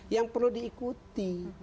yang perlu diikuti